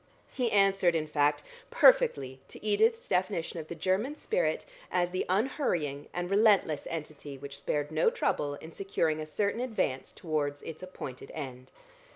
He answered, in fact, perfectly to Edith's definition of the German spirit as the unhurrying and relentless entity which spared no trouble in securing a certain advance towards its appointed end.